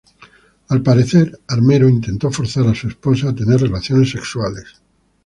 Al parecer Armero intentó forzar a su esposa a tener relaciones sexuales.